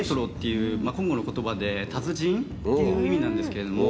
コンゴの言葉で「達人」っていう意味なんですけれども。